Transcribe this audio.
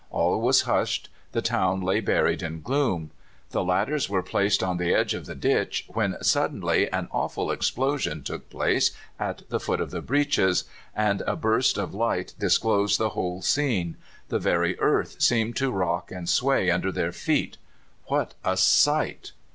All was hushed; the town lay buried in gloom. The ladders were placed on the edge of the ditch, when suddenly an awful explosion took place at the foot of the breaches, and a burst of light disclosed the whole scene. The very earth seemed to rock and sway under their feet. What a sight!